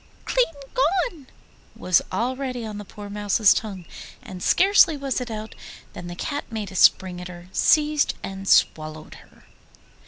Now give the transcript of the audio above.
'Clean gone' was already on the poor Mouse's tongue, and scarcely was it out than the Cat made a spring at her, seized and swallowed her.